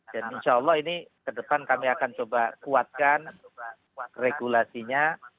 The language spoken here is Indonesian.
dan insya allah ini ke depan kami akan coba kuatkan regulasinya